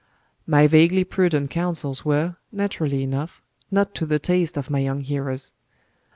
My vaguely prudent counsels were, naturally enough, not to the taste of my young hearers.